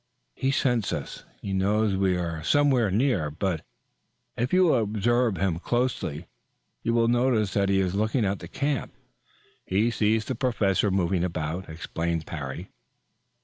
"He scents us. He knows we are somewhere near. But, if you will observe him closely, you will notice that he is looking at the camp. He sees the Professor moving about," explained Parry.